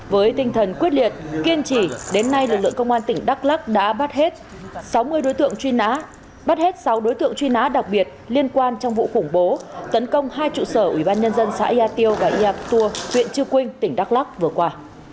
với tinh thần quyết liệt kiên trì đến nay lực lượng công an tỉnh đắk lắc đã bắt hết sáu đối tượng truy nã đặc biệt liên quan trong vụ khủng bố tấn công hai trụ sở ủy ban nhân dân xã yạ tiêu và yạc tùa huyện chư quynh tỉnh đắk lắc vừa qua